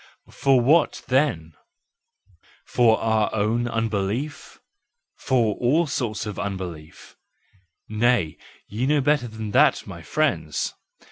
For what, then ? For our unbelief? For all sorts of unbelief? Nay, you know better than that, my friends!